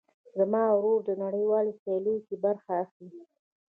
زما ورور نړيوالو سیاليو کې برخه اخلي.